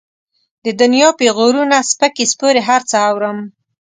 د دنيا پېغورونه، سپکې سپورې هر څه اورم.